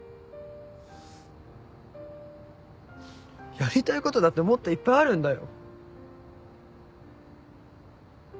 やりたい事だってもっといっぱいあるんだよ。